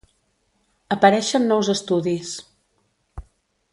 Apareixen nous estudis.